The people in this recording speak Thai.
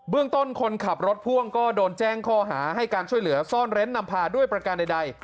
เรื่องต้นคนขับรถพ่วงก็โดนแจ้งข้อหาให้การช่วยเหลือซ่อนเร้นนำพาด้วยประการใด